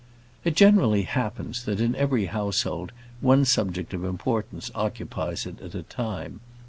It generally happens, that in every household, one subject of importance occupies it at a time.